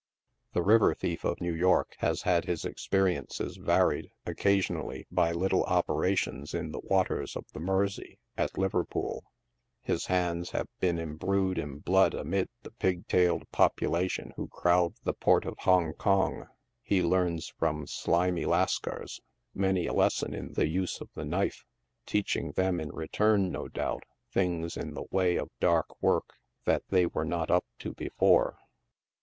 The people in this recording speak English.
The river thief of New York has had his experiences varied, occasionally, by little operations in the waters of the Mersey, at Liverpool. His hands have been im brued in blood amid the pig tailed population who crowd the port of Hong Kong. He learns from slimy Lascars many a lesson in the use of the knife, teaching them in return, no doubt, things in the way of dark work that they were not up to before.